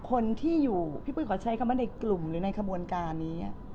คนที่อยู่พี่ปุ้ยขอใช้คำว่าในกลุ่มหรือในขบวนการนี้